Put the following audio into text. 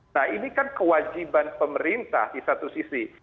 nah ini kan kewajiban pemerintah di satu sisi